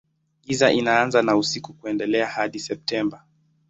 Giza inaanza na usiku huendelea hadi Septemba.